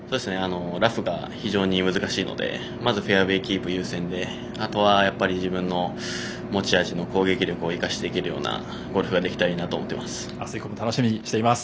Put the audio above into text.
ラフが非常に難しいのでまずフェアウエーキープ優先であとは自分の持ち味の攻撃力を生かしていけるようなゴルフができたらいいなと明日以降も楽しみにしています。